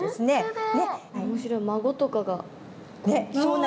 面白い「孫」とかがこう。